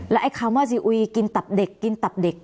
ไอ้คำว่าซีอุยกินตับเด็กกินตับเด็ก